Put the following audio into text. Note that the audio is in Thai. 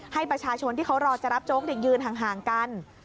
ให้ประชาชนที่เขารอจะรับโจ๊กยืนห่างกัน